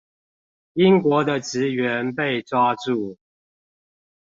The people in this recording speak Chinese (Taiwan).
英國的職員被抓住